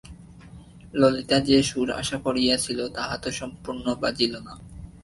ললিতা যে সুর আশা করিয়াছিল তাহা তো সম্পূর্ণ বাজিল না।